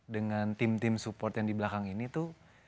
dengan tim tim support yang di belakang ini tuh